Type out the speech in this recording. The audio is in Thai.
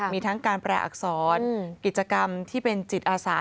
มีทั้งการแปรอักษรกิจกรรมที่เป็นจิตอาสา